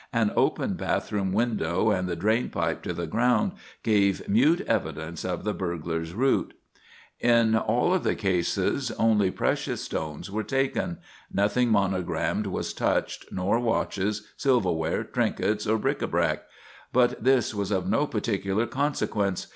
An open bathroom window and the drain pipe to the ground gave mute evidence of the burglar's route. In all of the cases only precious stones were taken: nothing monogrammed was touched, nor watches, silverware, trinkets or bric à brac. But this was of no particular consequence.